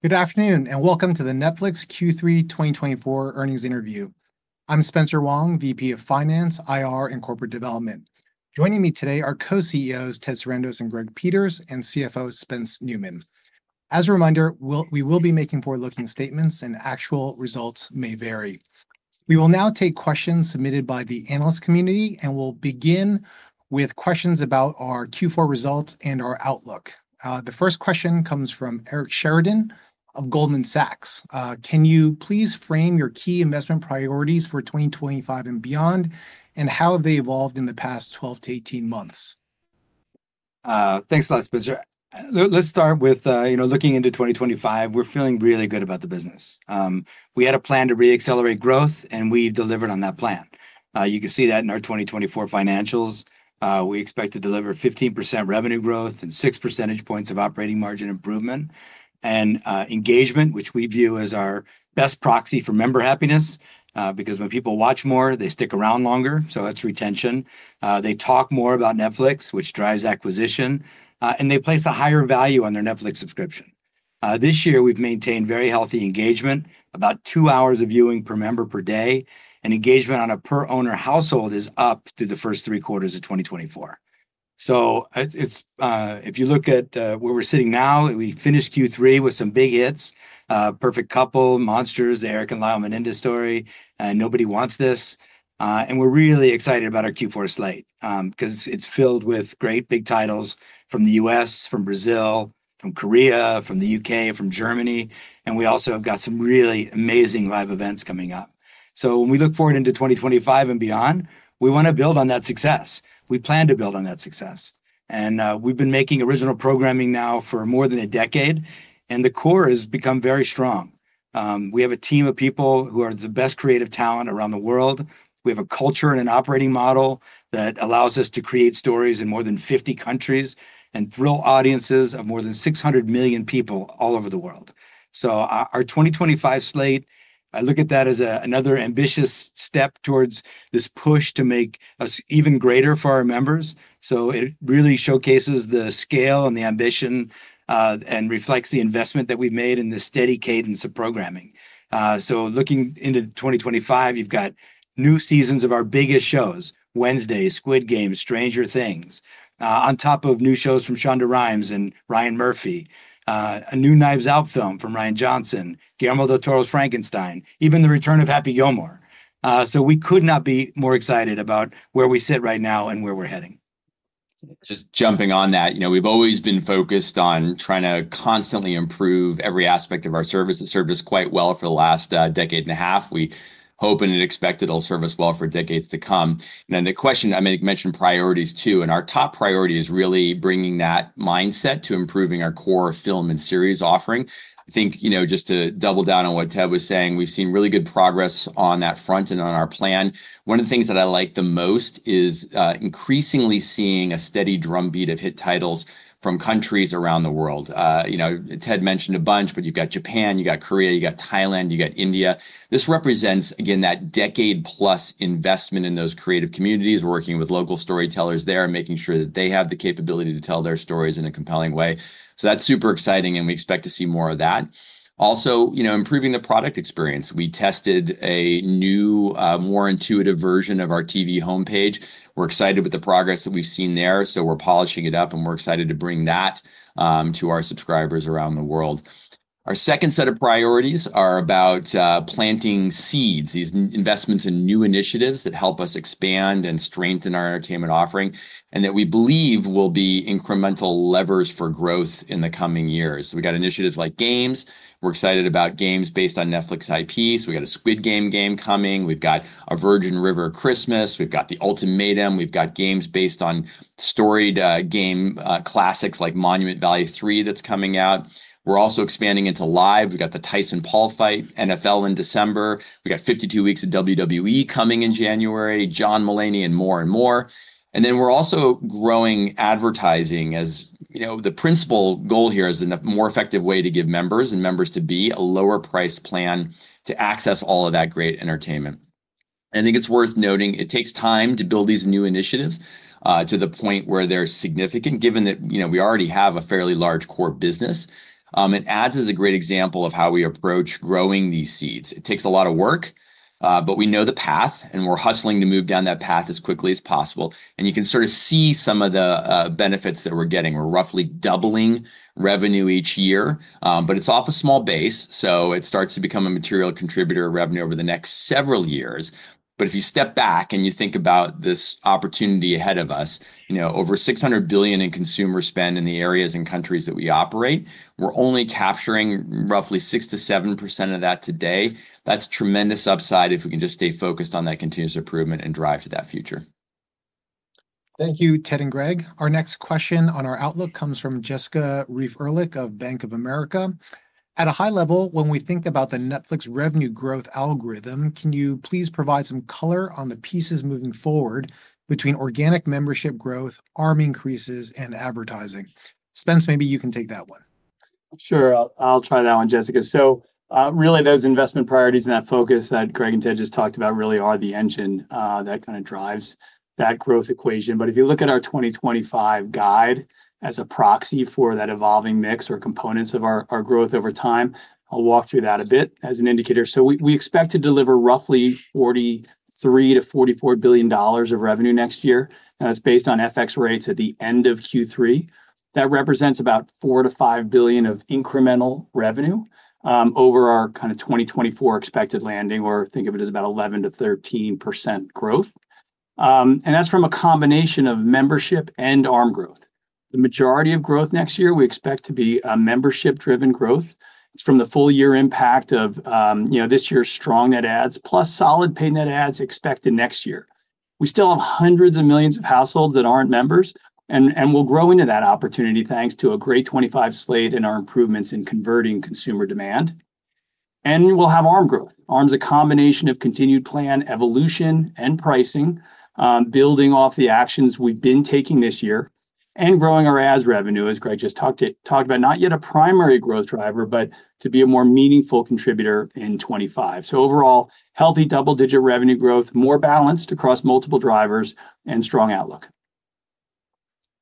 Good afternoon, and welcome to the Netflix Q3 2024 earnings interview. I'm Spence Wang, VP of Finance, IR, and Corporate Development. Joining me today are Co-CEOs Ted Sarandos and Greg Peters, and CFO Spence Neumann. As a reminder, we will be making forward-looking statements, and actual results may vary. We will now take questions submitted by the analyst community, and we'll begin with questions about our Q4 results and our outlook. The first question comes from Eric Sheridan of Goldman Sachs. "Can you please frame your key investment priorities for 2025 and beyond, and how have they evolved in the past twelve to eighteen months? Thanks a lot, Spence. Let's start with, you know, looking into 2025, we're feeling really good about the business. We had a plan to re-accelerate growth, and we delivered on that plan. You can see that in our 2024 financials. We expect to deliver 15% revenue growth and six percentage points of operating margin improvement and engagement, which we view as our best proxy for member happiness. Because when people watch more, they stick around longer, so that's retention. They talk more about Netflix, which drives acquisition, and they place a higher value on their Netflix subscription. This year, we've maintained very healthy engagement, about two hours of viewing per member per day, and engagement on a per-owner household is up through the first three quarters of 2024. So it... If you look at where we're sitting now, we finished Q3 with some big hits: Perfect Couple, Monsters: The Lyle and Erik Menendez Story, Nobody Wants This. And we're really excited about our Q4 slate, 'cause it's filled with great big titles from the U.S., from Brazil, from Korea, from the U.K., from Germany, and we also have got some really amazing live events coming up. So when we look forward into 2025 and beyond, we wanna build on that success. We plan to build on that success, and we've been making original programming now for more than a decade, and the core has become very strong. We have a team of people who are the best creative talent around the world. We have a culture and an operating model that allows us to create stories in more than fifty countries and thrill audiences of more than six hundred million people all over the world. So our 2025 slate, I look at that as another ambitious step towards this push to make us even greater for our members. So it really showcases the scale and the ambition, and reflects the investment that we've made in the steady cadence of programming. So looking into 2025, you've got new seasons of our biggest shows, Wednesday, Squid Game, Stranger Things, on top of new shows from Shonda Rhimes and Ryan Murphy, a new Knives Out film from Rian Johnson, Guillermo del Toro's Frankenstein, even the return of Happy Gilmore. So we could not be more excited about where we sit right now and where we're heading. Just jumping on that, you know, we've always been focused on trying to constantly improve every aspect of our service. It served us quite well for the last decade and a half. We hope and expect it'll serve us well for decades to come. Then the question, I think, you mentioned priorities, too, and our top priority is really bringing that mindset to improving our core film and series offering. I think, you know, just to double down on what Ted was saying, we've seen really good progress on that front and on our plan. One of the things that I like the most is increasingly seeing a steady drumbeat of hit titles from countries around the world. You know, Ted mentioned a bunch, but you've got Japan, you got Korea, you got Thailand, you got India. This represents, again, that decade-plus investment in those creative communities. We're working with local storytellers there and making sure that they have the capability to tell their stories in a compelling way. So that's super exciting, and we expect to see more of that. Also, you know, improving the product experience. We tested a new, more intuitive version of our TV homepage. We're excited with the progress that we've seen there, so we're polishing it up, and we're excited to bring that to our subscribers around the world. Our second set of priorities are about planting seeds, these investments in new initiatives that help us expand and strengthen our entertainment offering and that we believe will be incremental levers for growth in the coming years. We've got initiatives like games. We're excited about games based on Netflix IP. So we've got a Squid Game game coming. We've got a Virgin River Christmas. We've got The Ultimatum. We've got games based on storied game classics like Monument Valley 3 that's coming out. We're also expanding into live. We've got the Tyson-Paul fight, NFL in December. We got 52 weeks of WWE coming in January, John Mulaney, and more and more. And then we're also growing advertising. As you know, the principal goal here is in a more effective way to give members and members to be a lower price plan to access all of that great entertainment. I think it's worth noting it takes time to build these new initiatives to the point where they're significant, given that, you know, we already have a fairly large core business. Net adds as a great example of how we approach growing these seeds. It takes a lot of work, but we know the path, and we're hustling to move down that path as quickly as possible, and you can sort of see some of the benefits that we're getting. We're roughly doubling revenue each year, but it's off a small base, so it starts to become a material contributor of revenue over the next several years, but if you step back and you think about this opportunity ahead of us, you know, over $600 billion in consumer spend in the areas and countries that we operate, we're only capturing roughly 6%-7% of that today. That's tremendous upside if we can just stay focused on that continuous improvement and drive to that future. Thank you, Ted and Greg. Our next question on our outlook comes from Jessica Reif Ehrlich of Bank of America: "At a high level, when we think about the Netflix revenue growth algorithm, can you please provide some color on the pieces moving forward between organic membership growth, ARM increases, and advertising?" Spence, maybe you can take that one.... Sure, I'll try that one, Jessica. So, really, those investment priorities and that focus that Greg and Ted just talked about really are the engine that kind of drives that growth equation. But if you look at our 2025 guide as a proxy for that evolving mix or components of our growth over time, I'll walk through that a bit as an indicator. So we expect to deliver roughly $43-$44 billion of revenue next year, and that's based on FX rates at the end of Q3. That represents about $4-$5 billion of incremental revenue over our kind of 2024 expected landing, or think of it as about 11%-13% growth. And that's from a combination of membership and ARM growth. The majority of growth next year we expect to be a membership-driven growth. It's from the full year impact of, you know, this year's strong net adds, plus solid paying net adds expected next year. We still have hundreds of millions of households that aren't members, and we'll grow into that opportunity, thanks to a great 2025 slate and our improvements in converting consumer demand, and we'll have ARM growth. ARM's a combination of continued plan evolution and pricing, building off the actions we've been taking this year and growing our ads revenue, as Greg just talked about. Not yet a primary growth driver, but to be a more meaningful contributor in 2025. So overall, healthy double-digit revenue growth, more balanced across multiple drivers, and strong outlook.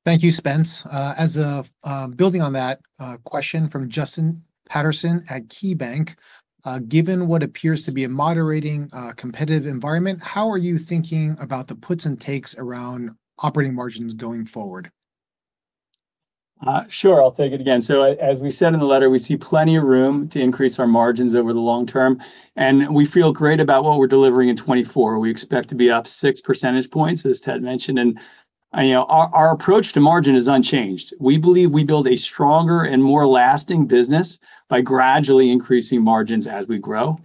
Thank you, Spence. Also, building on that, question from Justin Patterson at KeyBanc, "Given what appears to be a moderating, competitive environment, how are you thinking about the puts and takes around operating margins going forward? Sure, I'll take it again. So as we said in the letter, we see plenty of room to increase our margins over the long term, and we feel great about what we're delivering in 2024. We expect to be up six percentage points, as Ted mentioned, and you know, our approach to margin is unchanged. We believe we build a stronger and more lasting business by gradually increasing margins as we grow.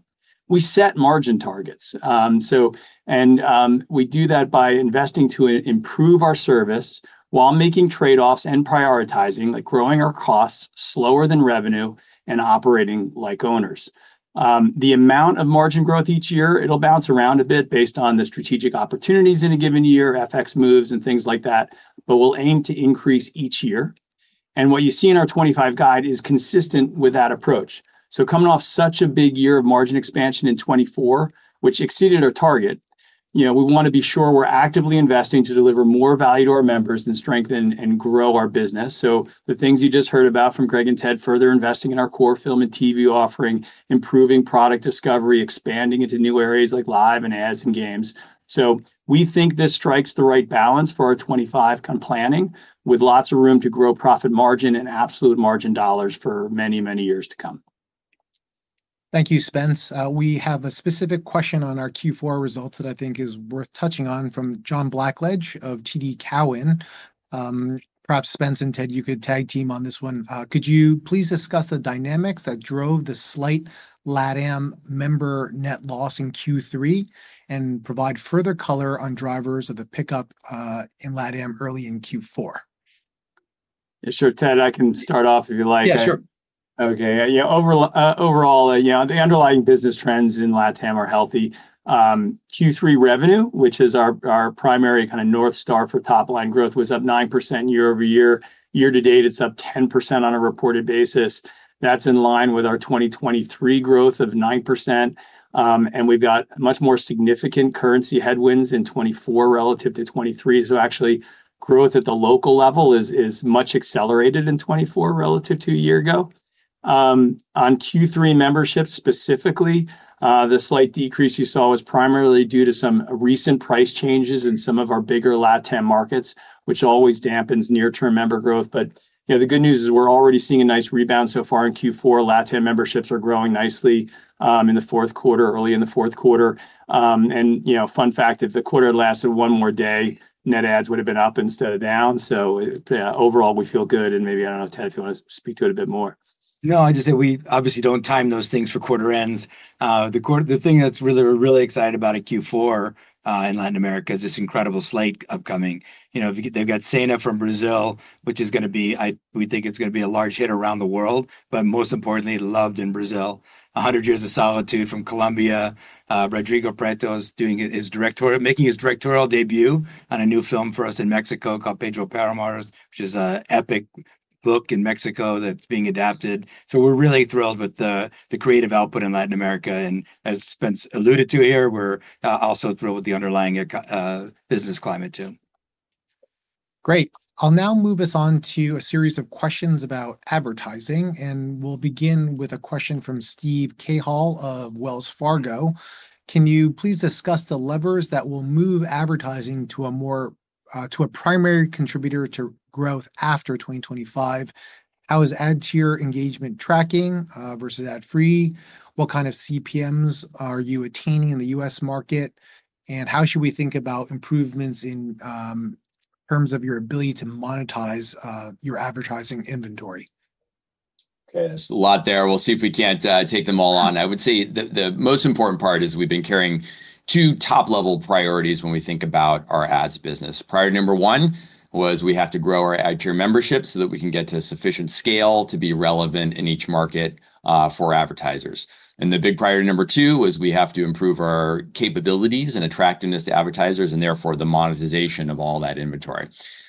We set margin targets. We do that by investing to improve our service while making trade-offs and prioritizing, like growing our costs slower than revenue and operating like owners. The amount of margin growth each year, it'll bounce around a bit based on the strategic opportunities in a given year, FX moves, and things like that, but we'll aim to increase each year, and what you see in our 2025 guide is consistent with that approach. Coming off such a big year of margin expansion in 2024, which exceeded our target, you know, we wanna be sure we're actively investing to deliver more value to our members and strengthen and grow our business. The things you just heard about from Greg and Ted, further investing in our core film and TV offering, improving product discovery, expanding into new areas like live and ads and games. We think this strikes the right balance for our 2025 comp planning, with lots of room to grow profit margin and absolute margin dollars for many, many years to come. Thank you, Spence. We have a specific question on our Q4 results that I think is worth touching on from John Blackledge of TD Cowen. Perhaps Spence and Ted, you could tag team on this one. "Could you please discuss the dynamics that drove the slight LATAM member net loss in Q3, and provide further color on drivers of the pickup in LATAM early in Q4? Yeah, sure. Ted, I can start off if you like. Yeah, sure. Okay. Yeah, overall, yeah, the underlying business trends in LATAM are healthy. Q3 revenue, which is our primary kind of North Star for top-line growth, was up 9% year-over-year. Year to date, it's up 10% on a reported basis. That's in line with our 2023 growth of 9%, and we've got much more significant currency headwinds in 2024 relative to 2023. So actually, growth at the local level is much accelerated in 2024 relative to a year ago. On Q3 memberships specifically, the slight decrease you saw was primarily due to some recent price changes in some of our bigger LATAM markets, which always dampens near-term member growth. But, you know, the good news is we're already seeing a nice rebound so far in Q4. LATAM memberships are growing nicely in the fourth quarter, early in the fourth quarter, and you know, fun fact, if the quarter had lasted one more day, net adds would've been up instead of down. Overall, we feel good, and maybe, I don't know, Ted, if you wanna speak to it a bit more. No, I just say we obviously don't time those things for quarter ends. The quarter, the thing that's really, we're really excited about at Q4, in Latin America, is this incredible slate upcoming. You know, if you, they've got Senna from Brazil, which is gonna be, we think it's gonna be a large hit around the world, but most importantly, loved in Brazil. A Hundred Years of Solitude from Colombia. Rodrigo Prieto is doing his directorial, making his directorial debut on a new film for us in Mexico called Pedro Páramo, which is an epic book in Mexico that's being adapted. So we're really thrilled with the creative output in Latin America, and as Spence alluded to here, we're also thrilled with the underlying business climate too. Great! I'll now move us on to a series of questions about advertising, and we'll begin with a question from Steve Cahall of Wells Fargo: "Can you please discuss the levers that will move advertising to a more primary contributor to growth after 2025? How is ad tier engagement tracking versus ad-free? What kind of CPMs are you attaining in the U.S. market, and how should we think about improvements in terms of your ability to monetize your advertising inventory?... Okay, there's a lot there. We'll see if we can't take them all on. I would say the most important part is we've been carrying two top-level priorities when we think about our ads business. Priority number one was we have to grow our ad tier membership so that we can get to sufficient scale to be relevant in each market for advertisers. And the big priority number two was we have to improve our capabilities and attractiveness to advertisers, and therefore, the monetization of all that inventory.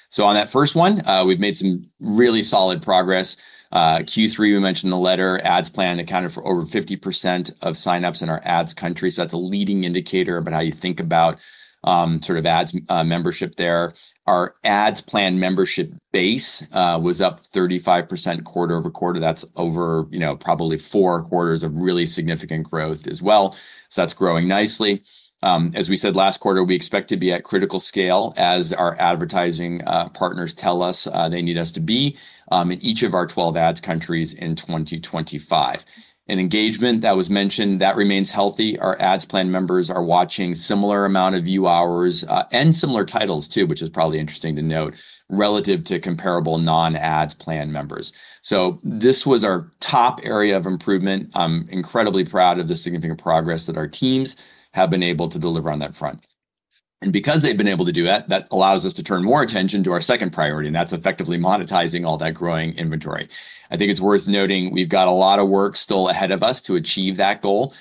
So on that first one, we've made some really solid progress. Q3, we mentioned the letter, ads plan accounted for over 50% of signups in our ad countries. So that's a leading indicator about how you think about sort of ads membership there. Our ads plan membership base was up 35% quarter over quarter. That's over, you know, probably four quarters of really significant growth as well. So that's growing nicely. As we said last quarter, we expect to be at critical scale as our advertising partners tell us they need us to be in each of our 12 ads countries in 2025. In engagement, that was mentioned, that remains healthy. Our ads plan members are watching similar amount of view hours and similar titles, too, which is probably interesting to note, relative to comparable non-ads plan members. So this was our top area of improvement. I'm incredibly proud of the significant progress that our teams have been able to deliver on that front. And because they've been able to do that, that allows us to turn more attention to our second priority, and that's effectively monetizing all that growing inventory. I think it's worth noting, we've got a lot of work still ahead of us to achieve that goal,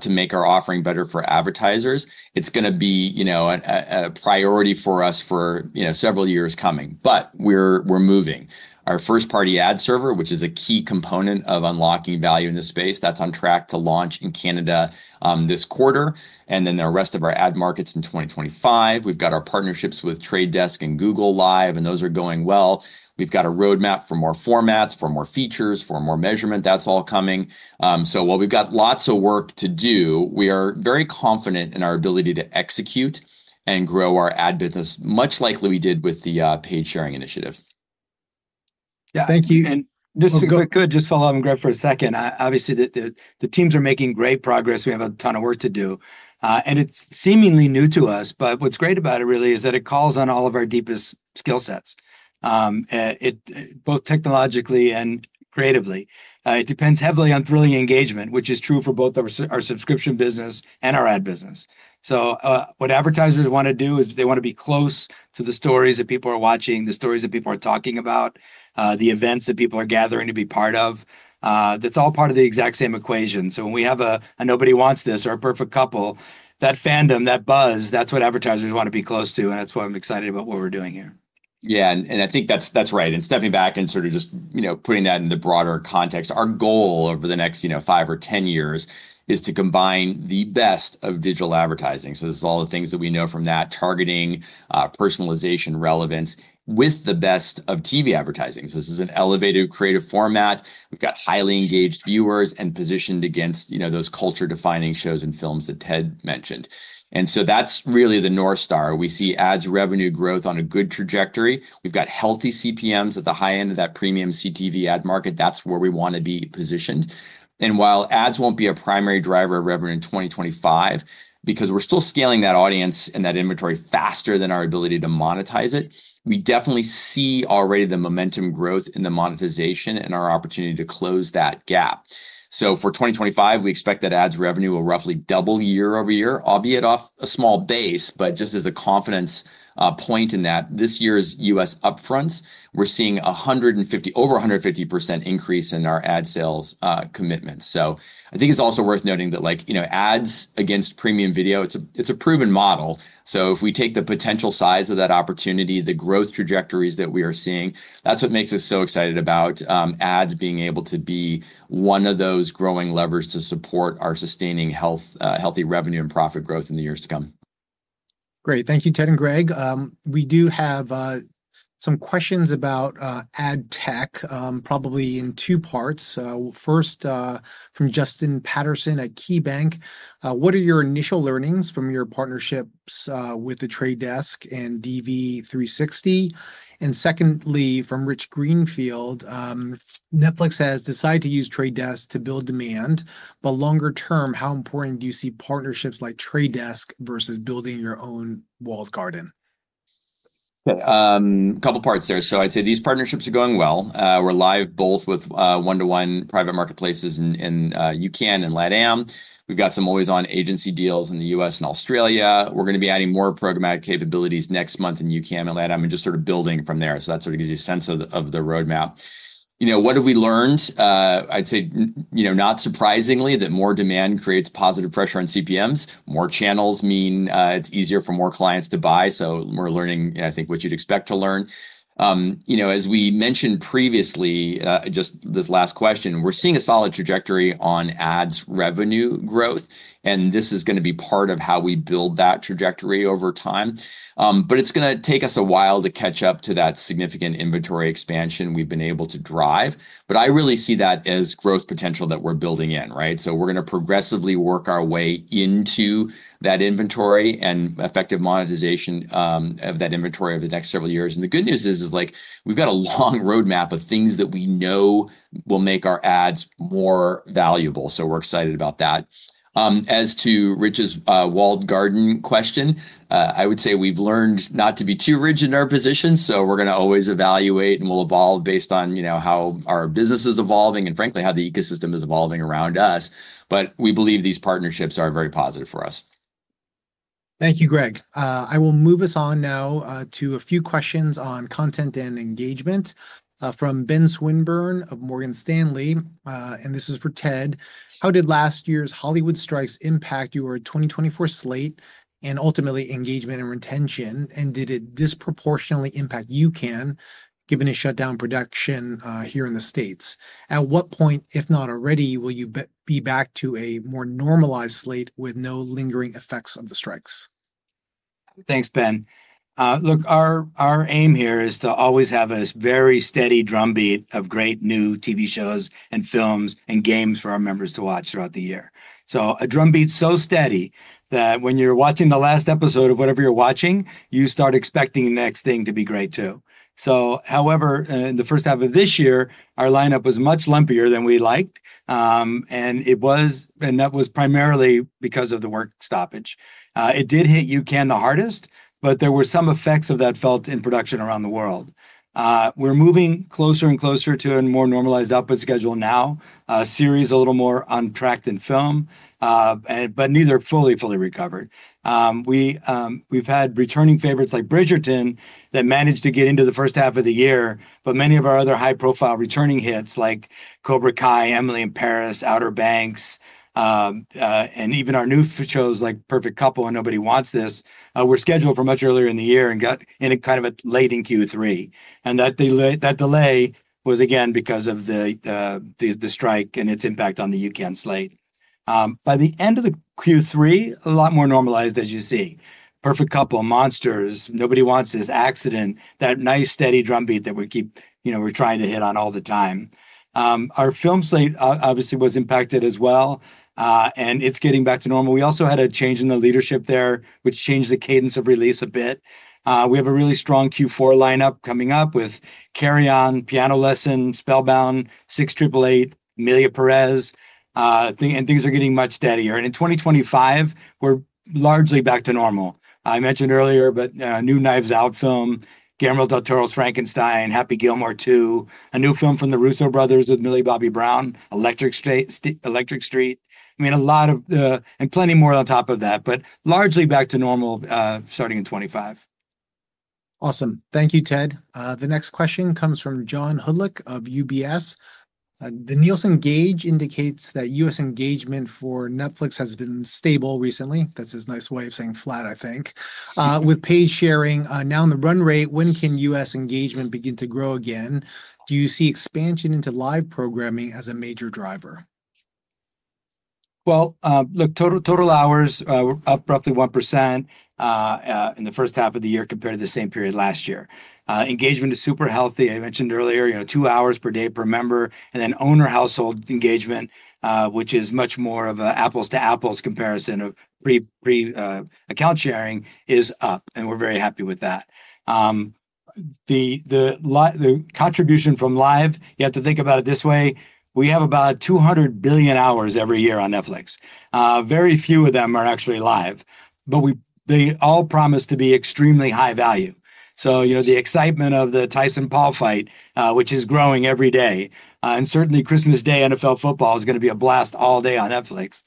to make our offering better for advertisers. It's gonna be, you know, a priority for us for, you know, several years coming, but we're moving. Our first-party ad server, which is a key component of unlocking value in this space, that's on track to launch in Canada, this quarter, and then the rest of our ad markets in 2025. We've got our partnerships with The Trade Desk and Google, and those are going well. We've got a roadmap for more formats, for more features, for more measurement. That's all coming. So while we've got lots of work to do, we are very confident in our ability to execute and grow our ad business, much like we did with the paid sharing initiative. Yeah. Thank you. And just- Oh, go-... if I could just follow on Greg for a second. Obviously, the teams are making great progress. We have a ton of work to do, and it's seemingly new to us, but what's great about it, really, is that it calls on all of our deepest skill sets. Both technologically and creatively, it depends heavily on thrilling engagement, which is true for both our subscription business and our ad business. So, what advertisers wanna do is they wanna be close to the stories that people are watching, the stories that people are talking about, the events that people are gathering to be part of. That's all part of the exact same equation. When we have a Nobody Wants This or a Perfect Couple, that fandom, that buzz, that's what advertisers wanna be close to, and that's why I'm excited about what we're doing here. Yeah, I think that's right, and stepping back and sort of just, you know, putting that in the broader context, our goal over the next, you know, five or 10 years is to combine the best of digital advertising, so this is all the things that we know from that: targeting, personalization, relevance, with the best of TV advertising, so this is an elevated creative format. We've got highly engaged viewers and positioned against, you know, those culture-defining shows and films that Ted mentioned, so that's really the North Star. We see ads revenue growth on a good trajectory. We've got healthy CPMs at the high end of that premium CTV ad market. That's where we wanna be positioned. While ads won't be a primary driver of revenue in 2025, because we're still scaling that audience and that inventory faster than our ability to monetize it, we definitely see already the momentum growth in the monetization and our opportunity to close that gap. So for 2025, we expect that ads revenue will roughly double year-over-year, albeit off a small base. But just as a confidence point in that, this year's U.S. upfronts, we're seeing over 100% increase in our ad sales commitments. So I think it's also worth noting that, like, you know, ads against premium video, it's a proven model. So if we take the potential size of that opportunity, the growth trajectories that we are seeing, that's what makes us so excited about ads being able to be one of those growing levers to support our sustaining health, healthy revenue and profit growth in the years to come. Great. Thank you, Ted and Greg. We do have some questions about ad tech, probably in two parts. First, from Justin Patterson at KeyBanc: "What are your initial learnings from your partnerships with The Trade Desk and DV360? And secondly, from Rich Greenfield: "Netflix has decided to use Trade Desk to build demand, but longer term, how important do you see partnerships like Trade Desk versus building your own walled garden? Couple parts there. So I'd say these partnerships are going well. We're live both with one-to-one private marketplaces in U.K. and LATAM. We've got some always-on agency deals in the U.S. and Australia. We're gonna be adding more programmatic capabilities next month in U.K. and LATAM, and just sort of building from there. So that sort of gives you a sense of the roadmap. You know, what have we learned? I'd say, you know, not surprisingly, that more demand creates positive pressure on CPMs. More channels mean it's easier for more clients to buy, so we're learning, I think, what you'd expect to learn. You know, as we mentioned previously, just this last question, we're seeing a solid trajectory on ads revenue growth, and this is gonna be part of how we build that trajectory over time. But it's gonna take us a while to catch up to that significant inventory expansion we've been able to drive, but I really see that as growth potential that we're building in, right? So we're gonna progressively work our way into that inventory and effective monetization of that inventory over the next several years. And the good news is like we've got a long roadmap of things that we know will make our ads more valuable, so we're excited about that. As to Rich's walled garden question, I would say we've learned not to be too rigid in our positions, so we're gonna always evaluate, and we'll evolve based on you know how our business is evolving and frankly how the ecosystem is evolving around us. But we believe these partnerships are very positive for us. Thank you, Greg. I will move us on now to a few questions on content and engagement from Ben Swinburne of Morgan Stanley, and this is for Ted: "How did last year's Hollywood strikes impact your 2024 slate and ultimately engagement and retention? And did it disproportionately impact You, given it shut down production here in the States? At what point, if not already, will you be back to a more normalized slate with no lingering effects of the strikes? Thanks, Ben. Look, our aim here is to always have a very steady drumbeat of great new TV shows and films and games for our members to watch throughout the year. So a drumbeat so steady that when you're watching the last episode of whatever you're watching, you start expecting the next thing to be great too. So however, in the first half of this year, our lineup was much lumpier than we liked, and that was primarily because of the work stoppage. It did hit You the hardest, but there were some effects of that felt in production around the world. We're moving closer and closer to a more normalized output schedule now, series a little more on track than film, and, but neither fully recovered. We’ve had returning favorites like Bridgerton that managed to get into the first half of the year, but many of our other high-profile returning hits, like Cobra Kai, Emily in Paris, Outer Banks, and even our new shows, like Perfect Couple and Nobody Wants This, were scheduled for much earlier in the year and got in kind of late in Q3. That delay was again because of the strike and its impact on the You slate. By the end of Q3, a lot more normalized, as you see. Perfect Couple, Monsters, Nobody Wants This, Accident, that nice, steady drumbeat that we keep, you know, we’re trying to hit on all the time. Our film slate obviously was impacted as well, and it’s getting back to normal. We also had a change in the leadership there, which changed the cadence of release a bit. We have a really strong Q4 lineup coming up with Carry-On, Piano Lesson, Spellbound, Six Triple Eight, Emilia Pérez, and things are getting much steadier. In 2025, we're largely back to normal. I mentioned earlier, but a new Knives Out film, Guillermo del Toro's Frankenstein, Happy Gilmore 2, a new film from the Russo brothers with Millie Bobby Brown, Electric State. I mean, a lot of the... and plenty more on top of that, but largely back to normal, starting in 2025. Awesome! Thank you, Ted. The next question comes from John Hodulik of UBS: "The Nielsen Gauge indicates that U.S. engagement for Netflix has been stable recently." That's his nice way of saying flat, I think. "With paid sharing now in the run rate, when can U.S. engagement begin to grow again? Do you see expansion into live programming as a major driver? Well, look, total hours were up roughly 1% in the first half of the year compared to the same period last year. Engagement is super healthy. I mentioned earlier, you know, two hours per day per member, and then owner household engagement, which is much more of an apples-to-apples comparison of pre-account sharing is up, and we're very happy with that. The contribution from Live, you have to think about it this way: we have about two hundred billion hours every year on Netflix. Very few of them are actually live, but they all promise to be extremely high value. So, you know, the excitement of the Tyson-Paul fight, which is growing every day, and certainly Christmas Day, NFL football is gonna be a blast all day on Netflix.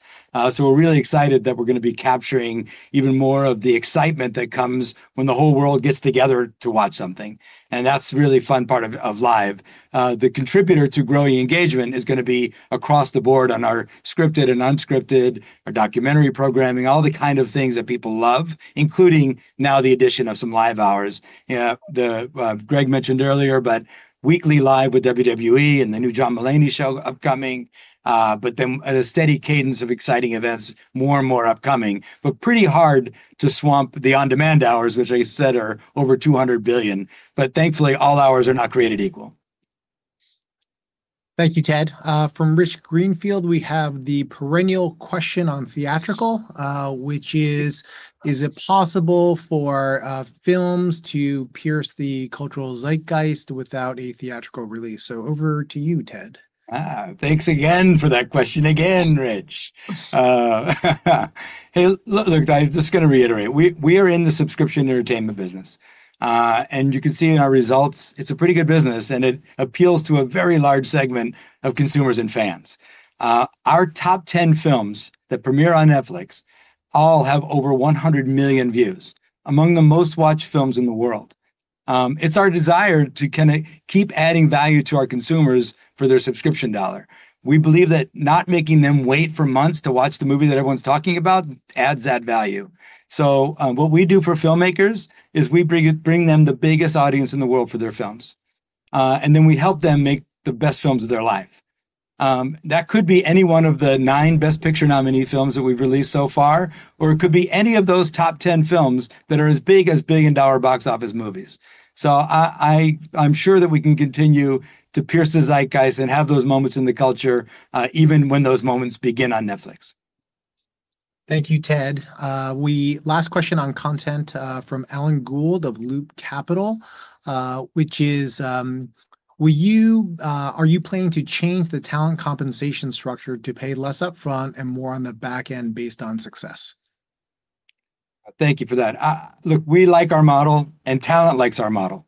So we're really excited that we're gonna be capturing even more of the excitement that comes when the whole world gets together to watch something, and that's a really fun part of live. The contributor to growing engagement is gonna be across the board on our scripted and unscripted, our documentary programming, all the kind of things that people love, including now the addition of some live hours. You know, Greg mentioned earlier, but weekly live with WWE and the new John Mulaney show upcoming, but then a steady cadence of exciting events, more and more upcoming. But pretty hard to swamp the on-demand hours, which I said are over 200 billion. But thankfully, all hours are not created equal. Thank you, Ted. From Rich Greenfield, we have the perennial question on theatrical, which is: "Is it possible for films to pierce the cultural zeitgeist without a theatrical release?" So over to you, Ted. Thanks again for that question again, Rich. Hey, look, I'm just gonna reiterate, we are in the subscription entertainment business, and you can see in our results, it's a pretty good business, and it appeals to a very large segment of consumers and fans. Our top ten films that premiere on Netflix all have over one hundred million views, among the most-watched films in the world. It's our desire to kinda keep adding value to our consumers for their subscription dollar. We believe that not making them wait for months to watch the movie that everyone's talking about adds that value. So, what we do for filmmakers is we bring them the biggest audience in the world for their films, and then we help them make the best films of their life. That could be any one of the nine Best Picture nominee films that we've released so far, or it could be any of those top 10 films that are as big as billion-dollar box office movies. So I'm sure that we can continue to pierce the zeitgeist and have those moments in the culture, even when those moments begin on Netflix.... Thank you, Ted. Last question on content from Alan Gould of Loop Capital, which is: Are you planning to change the talent compensation structure to pay less upfront and more on the back end based on success? Thank you for that. Look, we like our model, and talent likes our model.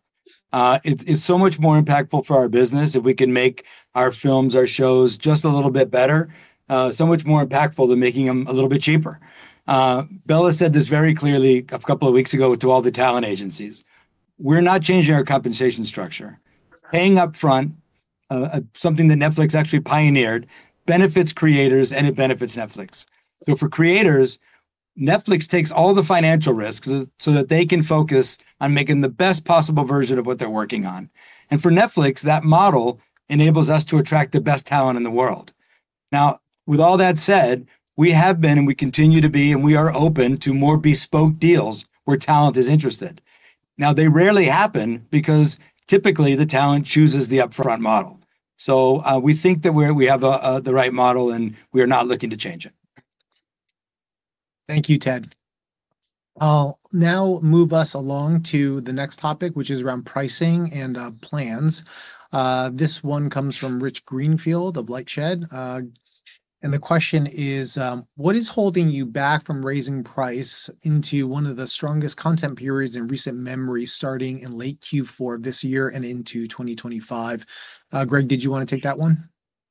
It's so much more impactful for our business if we can make our films, our shows just a little bit better, so much more impactful than making them a little bit cheaper. Bela said this very clearly a couple of weeks ago to all the talent agencies. We're not changing our compensation structure. Paying upfront, something that Netflix actually pioneered, benefits creators, and it benefits Netflix. So for creators, Netflix takes all the financial risks so that they can focus on making the best possible version of what they're working on, and for Netflix, that model enables us to attract the best talent in the world. Now, with all that said, we have been, and we continue to be, and we are open to more bespoke deals where talent is interested. Now, they rarely happen because typically, the talent chooses the upfront model, so we think that we have the right model, and we are not looking to change it. Thank you, Ted. I'll now move us along to the next topic, which is around pricing and plans. This one comes from Rich Greenfield of LightShed, and the question is, "What is holding you back from raising price into one of the strongest content periods in recent memory, starting in late Q4 this year and into 2025?" Greg, did you wanna take that one?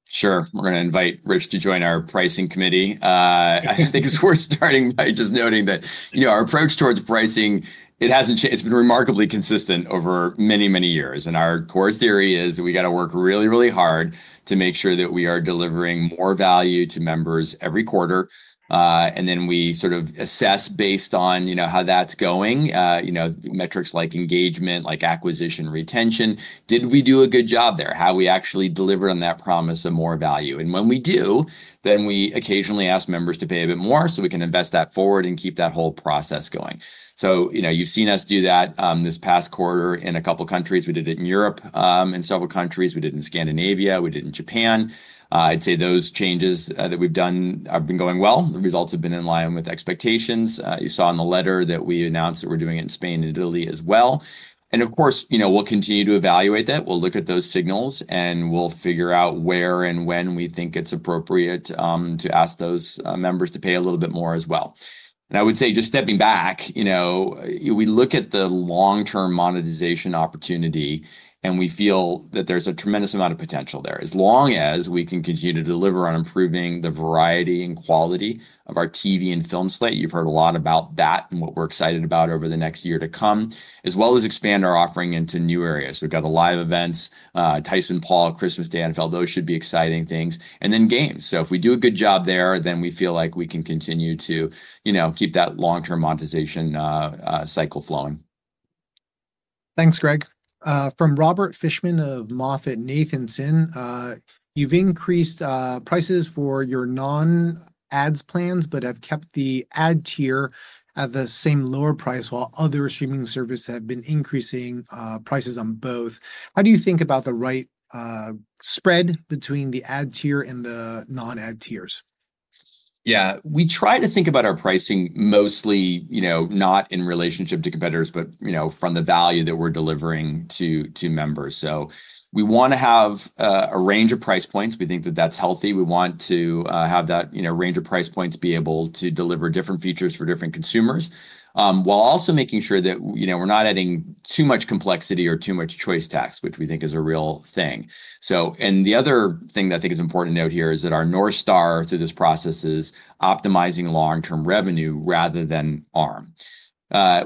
Sure. We're gonna invite Rich to join our pricing committee, I think, 'cause we're starting by just noting that, you know, our approach towards pricing, it's been remarkably consistent over many, many years, and our core theory is that we gotta work really, really hard to make sure that we are delivering more value to members every quarter. And then we sort of assess based on, you know, how that's going, you know, metrics like engagement, like acquisition, retention. Did we do a good job there? Have we actually delivered on that promise of more value? And when we do, then we occasionally ask members to pay a bit more, so we can invest that forward and keep that whole process going. So, you know, you've seen us do that, this past quarter in a couple countries. We did it in Europe, in several countries. We did it in Scandinavia. We did it in Japan. I'd say those changes, that we've done have been going well. The results have been in line with expectations. You saw in the letter that we announced that we're doing it in Spain and Italy as well, and of course, you know, we'll continue to evaluate that. We'll look at those signals, and we'll figure out where and when we think it's appropriate, to ask those, members to pay a little bit more as well. And I would say, just stepping back, you know, we look at the long-term monetization opportunity, and we feel that there's a tremendous amount of potential there, as long as we can continue to deliver on improving the variety and quality of our TV and film slate. You've heard a lot about that and what we're excited about over the next year to come, as well as expand our offering into new areas. We've got the live events, Tyson-Paul, Christmas Day NFL. Those should be exciting things, and then games. So if we do a good job there, then we feel like we can continue to, you know, keep that long-term monetization, cycle flowing. Thanks, Greg. From Robert Fishman of MoffettNathanson: "You've increased prices for your non-ads plans but have kept the ad tier at the same lower price, while other streaming services have been increasing prices on both. How do you think about the right spread between the ad tier and the non-ad tiers? Yeah, we try to think about our pricing mostly, you know, not in relationship to competitors, but, you know, from the value that we're delivering to members. So we wanna have a range of price points. We think that that's healthy. We want to have that, you know, range of price points be able to deliver different features for different consumers, while also making sure that, you know, we're not adding too much complexity or too much choice tax, which we think is a real thing. So, and the other thing that I think is important to note here is that our North Star through this process is optimizing long-term revenue rather than ARM.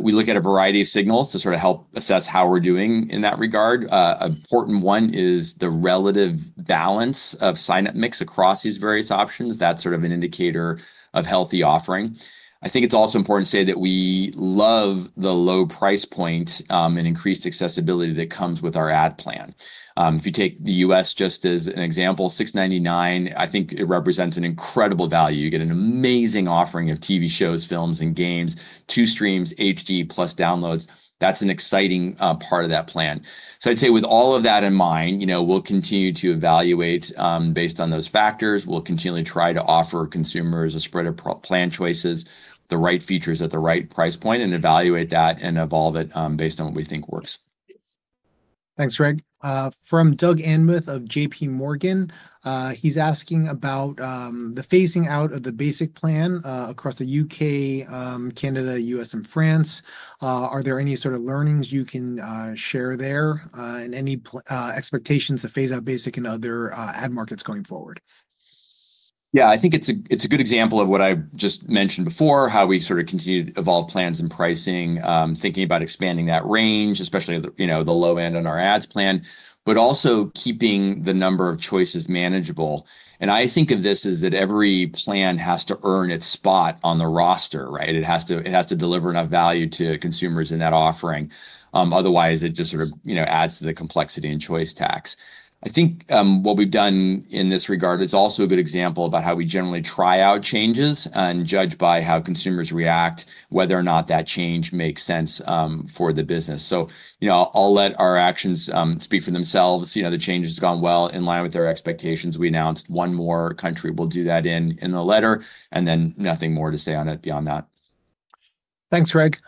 We look at a variety of signals to sort of help assess how we're doing in that regard. An important one is the relative balance of sign-up mix across these various options. That's sort of an indicator of healthy offering. I think it's also important to say that we love the low price point, and increased accessibility that comes with our ad plan. If you take the U.S. just as an example, $6.99, I think it represents an incredible value. You get an amazing offering of TV shows, films, and games, two streams, HD, plus downloads. That's an exciting, part of that plan. So I'd say with all of that in mind, you know, we'll continue to evaluate, based on those factors. We'll continually try to offer consumers a spread of ad plan choices, the right features at the right price point, and evaluate that and evolve it, based on what we think works. Thanks, Greg. From Doug Anmuth of JPMorgan, he's asking about the phasing out of the basic plan across the U.K., Canada, U.S., and France. Are there any sort of learnings you can share there, and any expectations to phase out basic and other ad markets going forward? Yeah, I think it's a good example of what I just mentioned before, how we sort of continue to evolve plans and pricing, thinking about expanding that range, especially at you know the low end on our ads plan, but also keeping the number of choices manageable, and I think of this is that every plan has to earn its spot on the roster, right? It has to deliver enough value to consumers in that offering. Otherwise, it just sort of you know adds to the complexity and choice tax. I think what we've done in this regard is also a good example about how we generally try out changes and judge by how consumers react, whether or not that change makes sense for the business, so you know I'll let our actions speak for themselves. You know, the change has gone well, in line with their expectations. We announced one more country we'll do that in, in the letter, and then nothing more to say on it beyond that. ... Thanks, Greg.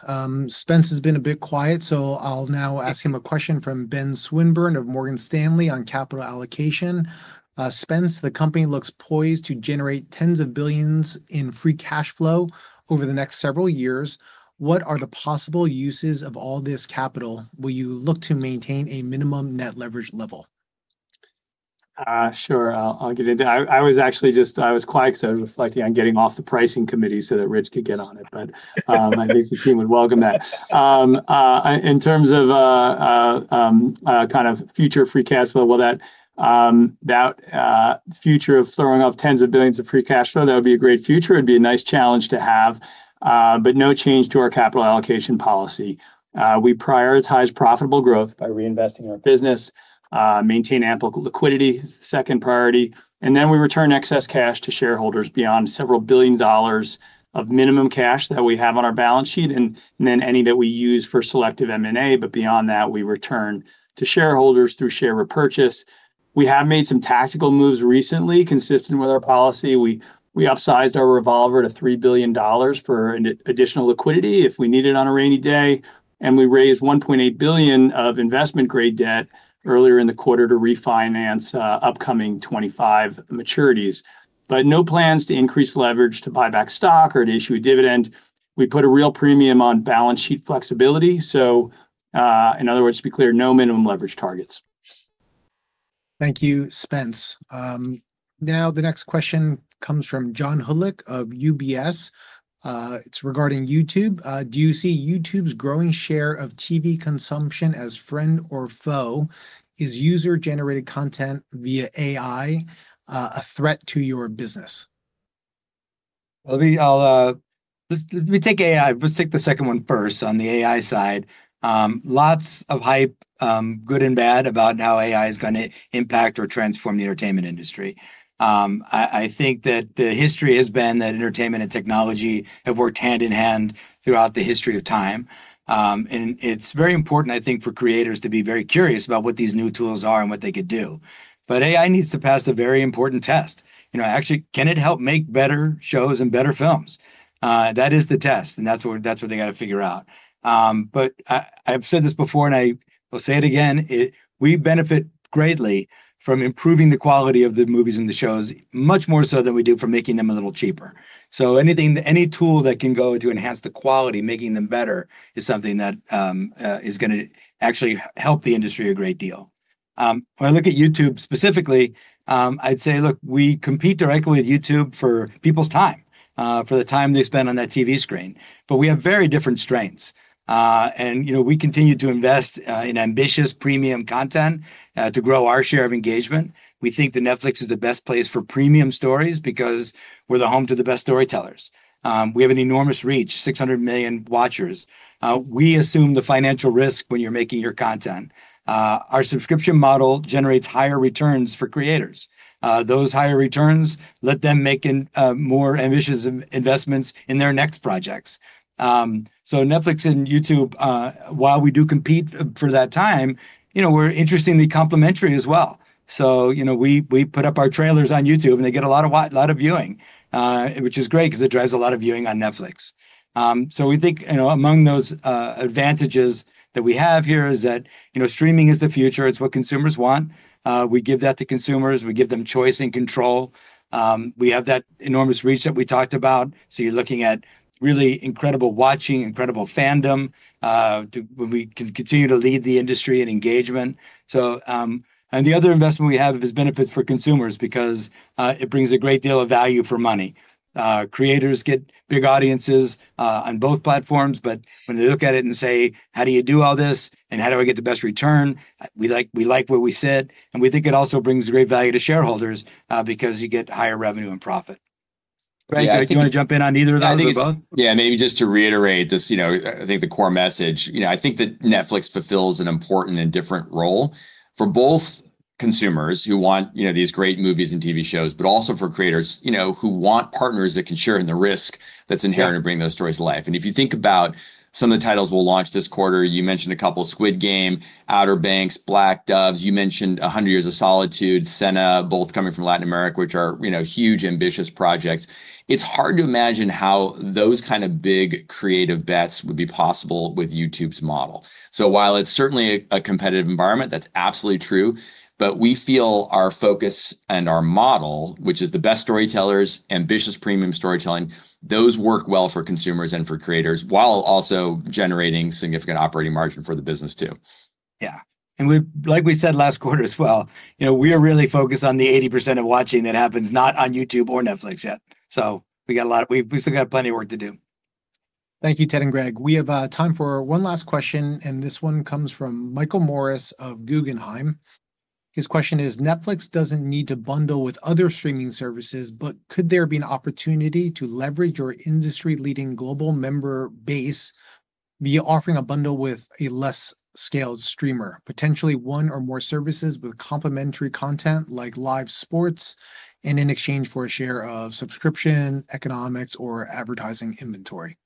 Spence has been a bit quiet, so I'll now ask him a question from Ben Swinburne of Morgan Stanley on capital allocation. "Spence, the company looks poised to generate tens of billions in free cash flow over the next several years. What are the possible uses of all this capital? Will you look to maintain a minimum net leverage level? Sure, I'll get into that. I was actually quiet because I was reflecting on getting off the pricing committee so that Rich could get on it. But I think the team would welcome that. In terms of kind of future free cash flow, well, that future of throwing off tens of billions of free cash flow would be a great future. It'd be a nice challenge to have, but no change to our capital allocation policy. We prioritize profitable growth by reinvesting in our business, maintain ample liquidity, second priority, and then we return excess cash to shareholders beyond several billion dollars of minimum cash that we have on our balance sheet, and then any that we use for selective M&A. But beyond that, we return to shareholders through share repurchase. We have made some tactical moves recently, consistent with our policy. We upsized our revolver to $3 billion for additional liquidity if we need it on a rainy day, and we raised $1.8 billion of investment-grade debt earlier in the quarter to refinance upcoming 2025 maturities. No plans to increase leverage to buy back stock or to issue a dividend. We put a real premium on balance sheet flexibility, so in other words, to be clear, no minimum leverage targets. Thank you, Spence. Now, the next question comes from John Hodulik of UBS. It's regarding YouTube. "Do you see YouTube's growing share of TV consumption as friend or foe? Is user-generated content via AI a threat to your business? Let me take AI. Let's take the second one first on the AI side. Lots of hype, good and bad, about how AI is gonna impact or transform the entertainment industry. I think that the history has been that entertainment and technology have worked hand in hand throughout the history of time. And it's very important, I think, for creators to be very curious about what these new tools are and what they could do. But AI needs to pass a very important test. You know, actually, can it help make better shows and better films? That is the test, and that's what they've got to figure out. But I've said this before, and I will say it again, we benefit greatly from improving the quality of the movies and the shows, much more so than we do from making them a little cheaper. So anything, any tool that can go to enhance the quality, making them better, is something that is gonna actually help the industry a great deal. When I look at YouTube specifically, I'd say, look, we compete directly with YouTube for people's time, for the time they spend on that TV screen, but we have very different strengths, and you know, we continue to invest in ambitious premium content to grow our share of engagement. We think that Netflix is the best place for premium stories because we're the home to the best storytellers. We have an enormous reach, 600 million watchers. We assume the financial risk when you're making your content. Our subscription model generates higher returns for creators. Those higher returns let them make more ambitious investments in their next projects. So Netflix and YouTube, while we do compete for that time, you know, we're interestingly complementary as well. So, you know, we put up our trailers on YouTube, and they get a lot of viewing, which is great because it drives a lot of viewing on Netflix. So we think, you know, among those advantages that we have here is that, you know, streaming is the future. It's what consumers want. We give that to consumers. We give them choice and control. We have that enormous reach that we talked about, so you're looking at really incredible watching, incredible fandom. We continue to lead the industry in engagement. So, and the other investment we have is benefits for consumers because it brings a great deal of value for money. Creators get big audiences on both platforms, but when they look at it and say, "How do you do all this, and how do I get the best return?" We like where we sit, and we think it also brings great value to shareholders because you get higher revenue and profit. Greg- Yeah, I think- Do you want to jump in on either of those or both? I think, yeah, maybe just to reiterate this, you know, I think the core message. You know, I think that Netflix fulfills an important and different role for both consumers who want, you know, these great movies and TV shows, but also for creators, you know, who want partners that can share in the risk that's inherent-Yeah... to bringing those stories to life. And if you think about some of the titles we'll launch this quarter, you mentioned a couple: Squid Game, Outer Banks, Black Doves. You mentioned A Hundred Years of Solitude, Senna, both coming from Latin America, which are, you know, huge, ambitious projects. It's hard to imagine how those kind of big, creative bets would be possible with YouTube's model. So while it's certainly a competitive environment, that's absolutely true, but we feel our focus and our model, which is the best storytellers, ambitious premium storytelling, those work well for consumers and for creators, while also generating significant operating margin for the business, too. Yeah. And like we said last quarter as well, you know, we are really focused on the 80% of watching that happens not on YouTube or Netflix yet. So we got a lot of... We've still got plenty of work to do. Thank you, Ted and Greg. We have time for one last question, and this one comes from Michael Morris of Guggenheim. His question is: Netflix doesn't need to bundle with other streaming services, but could there be an opportunity to leverage your industry-leading global member base via offering a bundle with a less-scaled streamer, potentially one or more services with complementary content like live sports, and in exchange for a share of subscription, economics, or advertising inventory? ...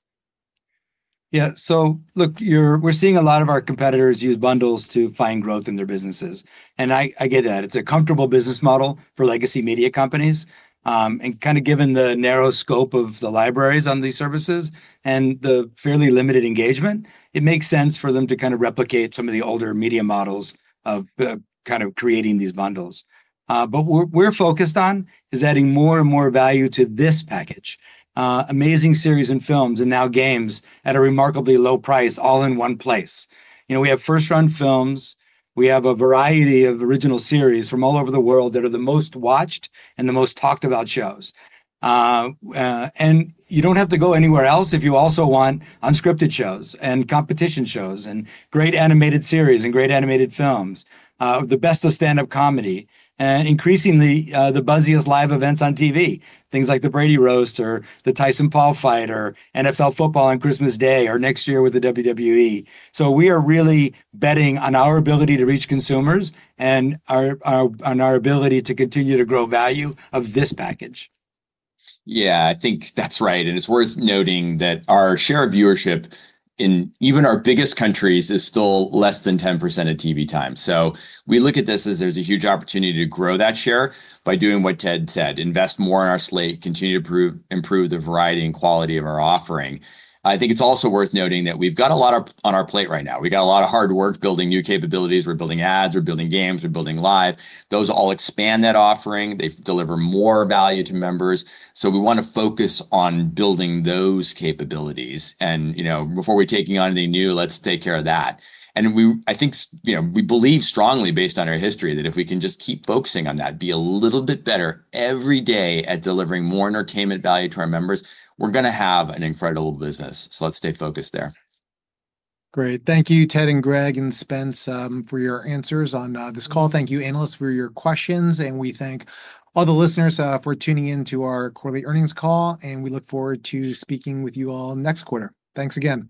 Yeah, so look, we're seeing a lot of our competitors use bundles to find growth in their businesses, and I get that. It's a comfortable business model for legacy media companies, and kind of given the narrow scope of the libraries on these services and the fairly limited engagement, it makes sense for them to kind of replicate some of the older media models of the kind of creating these bundles, but what we're focused on is adding more and more value to this package. Amazing series and films, and now games at a remarkably low price, all in one place. You know, we have first-run films, we have a variety of original series from all over the world that are the most watched and the most talked about shows. And you don't have to go anywhere else if you also want unscripted shows and competition shows, and great animated series, and great animated films. The best of stand-up comedy, and increasingly, the buzziest live events on TV, things like the Brady Roast or the Tyson Paul fight, or NFL football on Christmas Day, or next year with the WWE. So we are really betting on our ability to reach consumers and on our ability to continue to grow value of this package. Yeah, I think that's right, and it's worth noting that our share of viewership in even our biggest countries is still less than 10% of TV time. So we look at this as there's a huge opportunity to grow that share by doing what Ted said: invest more in our slate, continue to improve the variety and quality of our offering. I think it's also worth noting that we've got a lot on our plate right now. We've got a lot of hard work building new capabilities. We're building ads, we're building games, we're building live. Those all expand that offering. They deliver more value to members, so we wanna focus on building those capabilities. And, you know, before we're taking on anything new, let's take care of that. And we, I think, you know, we believe strongly based on our history, that if we can just keep focusing on that, be a little bit better every day at delivering more entertainment value to our members, we're gonna have an incredible business, so let's stay focused there. Great. Thank you, Ted and Greg, and Spence, for your answers on this call. Thank you, analysts, for your questions, and we thank all the listeners for tuning in to our quarterly earnings call, and we look forward to speaking with you all next quarter. Thanks again.